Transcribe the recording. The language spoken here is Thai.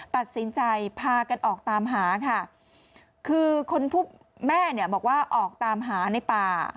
ตัดสินใจพากันออกตามหาค่ะคือคนผู้แม่เนี่ยบอกว่าออกตามหาในป่า